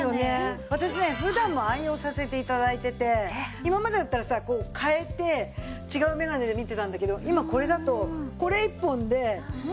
私ね普段も愛用させて頂いてて今までだったらさこう替えて違う眼鏡で見てたんだけど今これだとこれ１本で本当に助かってます。